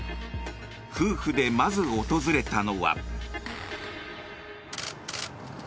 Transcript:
夫婦でまず訪れたのは。